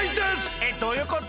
えっどういうこと？